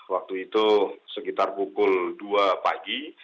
waktu itu sekitar pukul dua pagi